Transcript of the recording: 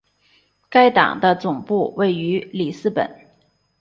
该党的总部位于里斯本。